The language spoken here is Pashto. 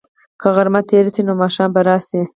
که غرمه تېره شي، نو ماښام به راشي.